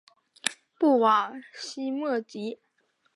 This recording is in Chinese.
布瓦西莫吉。